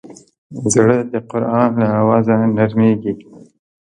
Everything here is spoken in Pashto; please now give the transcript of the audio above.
زړه د قرآن له اوازه نرمېږي.